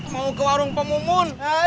mau ke warung pemumun